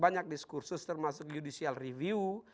banyak diskursus termasuk judicial review